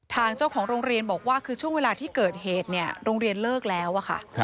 ทางเจ้าของโรงเรียนบอกว่าคือช่วงเวลาที่เกิดเหตุเนี่ยโรงเรียนเลิกแล้วอะค่ะ